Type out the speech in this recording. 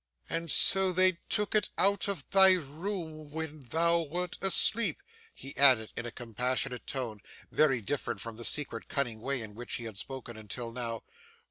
And so they took it out of thy room, when thou wert asleep!' he added in a compassionate tone, very different from the secret, cunning way in which he had spoken until now.